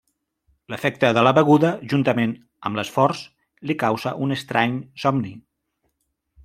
L'efecte de la beguda, juntament amb l'esforç, li causa un estrany somni.